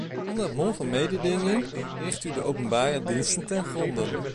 Onder het mom van mededinging richt u de openbare diensten ten gronde.